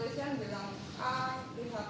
pengen dijelasin aja sih mbak semulanya